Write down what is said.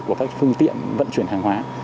của các phương tiện vận chuyển hàng hóa